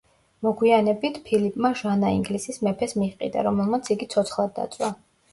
მოგვიანებით, ფილიპმა ჟანა ინგლისის მეფეს მიჰყიდა, რომელმაც იგი ცოცხლად დაწვა.